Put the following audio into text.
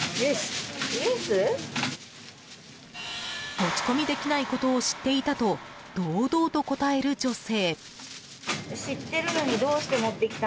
持ち込みできないことを知っていたと堂々と答える女性。